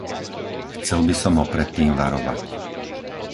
Chcel by som ho pred tým varovať.